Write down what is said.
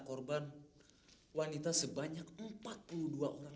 kalau lusa kita mau selamatan